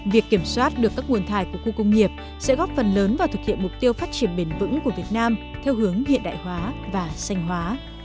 việc kiểm soát được các nguồn thải của khu công nghiệp sẽ góp phần lớn vào thực hiện mục tiêu phát triển bền vững của việt nam theo hướng hiện đại hóa và sanh hóa